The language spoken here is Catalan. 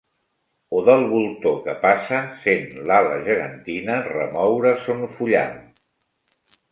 O del voltor que passa sent l'ala gegantina remoure son fullam.